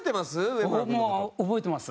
覚えてます？